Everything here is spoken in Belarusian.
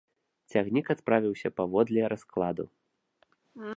Цягнік адправіўся паводле раскладу.